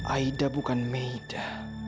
aida bukan meida